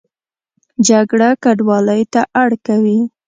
جګړه کډوالۍ ته اړ کوي